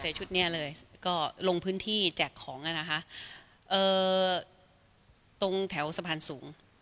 ชุดนี้เลยก็ลงพื้นที่แจกของอ่ะนะคะเอ่อตรงแถวสะพานสูง